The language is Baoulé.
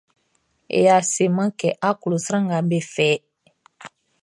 Yɛ a seman kɛ a klo sran nga be fɛʼn.